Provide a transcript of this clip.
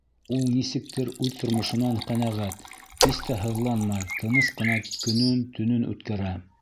Ул нисектер үҙ тормошонан ҡәнәғәт, һис тә һыҙланмай, тыныс ҡына көнөн, төнөн үткәрә.